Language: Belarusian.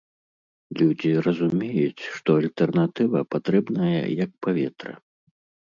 Людзі разумеюць, што альтэрнатыва патрэбная, як паветра!